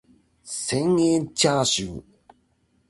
千円チャーシュー